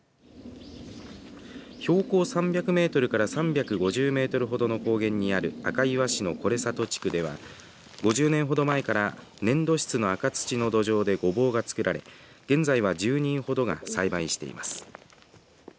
標高３００メートルから３５０メートルほどの高原にある赤磐市の是里地区では５０年ほど前から粘土質の赤土の土壌でごぼうが作られ、現在は１０人ほどが栽培しています。